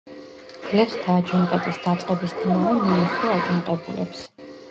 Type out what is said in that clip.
გლეხთა აჯანყების დაწყებისთანავე მიემხრო აჯანყებულებს.